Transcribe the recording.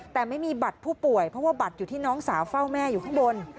แต่ไม่มีบัตรผู้ป่วยเพราะว่าบัตรอยู่ที่น้องสาวเฝ้าแม่อยู่ข้างบน